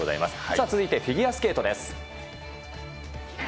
さあ、続いてフィギュアスケートです。